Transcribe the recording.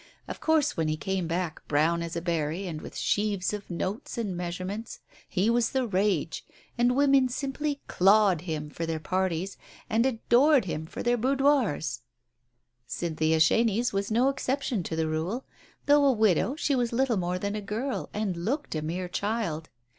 Of course, when he came back, brown as a berry, and with sheaves of notes and measurements, he was the rage, and women simply "clawed him " for their parties, and adored him for their boudoirs. Cynthia Chenies was no exception to the rule. Though a widow, she was little more than a girl, and looked a mere child.